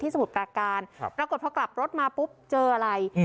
ที่สมุดปากการเรากดพอกลับรถมาปุ๊บเจออะไร